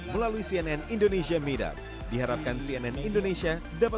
melalui cnn indonesia meetup diharapkan cnn indonesia dapat